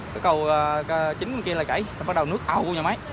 cái cầu chính bên kia là gãy bắt đầu nước ảo vô nhà máy